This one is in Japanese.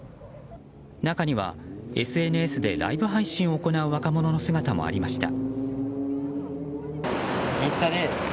中にはＳＮＳでライブ配信を行う若者の姿もありました。